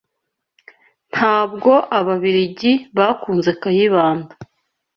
Ntabwo Ababiligi bakunze Kayibanda